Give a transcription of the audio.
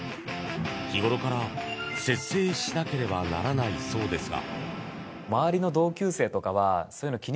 日ごろから節制しなければならないそうですが。